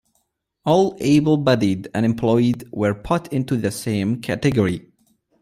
All able-bodied unemployed were put into the same category.